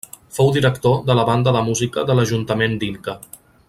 Fou director de la Banda de Música de l'Ajuntament d'Inca.